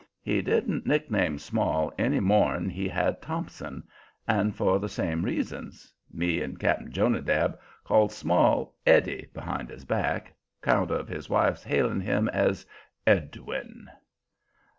He didn't nickname Small any more'n he had Thompson, and for the same reasons. Me and Cap'n Jonadab called Small "Eddie" behind his back, 'count of his wife's hailing him as "Edwin."